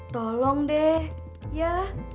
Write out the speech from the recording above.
tolong deh ya